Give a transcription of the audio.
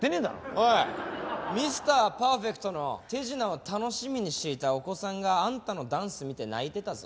おいミスター・パーフェクトの手品を楽しみにしていたお子さんがあんたのダンス見て泣いてたぞ。